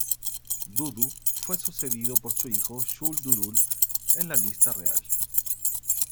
Dudu fue sucedido por su hijo Shu-Durul en la Lista Real.